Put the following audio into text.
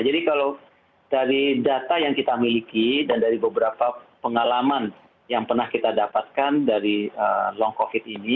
jadi kalau dari data yang kita miliki dan dari beberapa pengalaman yang pernah kita dapatkan dari long covid ini